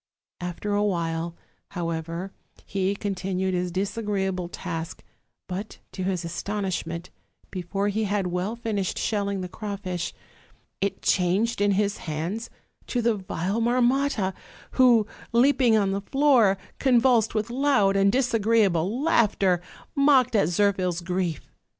After awhile, however, he continued his disagreeable task; but, to his astonishment, before he had well fin ished shelling the crawfish, it changed in his hands to the vile Marmotta; who, leaping on the floor, convulsed with loud and disagreeable laughter, mocked at Zirphil's grief.